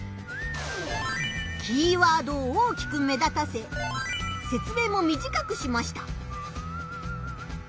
キーワードを大きく目立たせせつ明も短くしました。